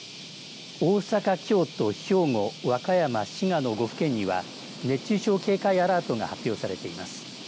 大阪、京都、兵庫、和歌山滋賀の５府県には熱中症警戒アラートが発表されています。